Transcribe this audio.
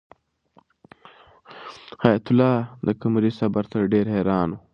حیات الله د قمرۍ صبر ته ډېر حیران و.